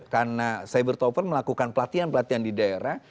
karena cybertrover melakukan pelatihan pelatihan di daerah